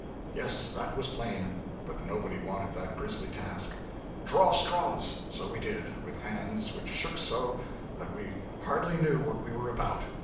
Yes, that was plain; but nobody wanted that grisly task. 'Draw straws!' So we did with hands which shook so, that we hardly knew what we were about.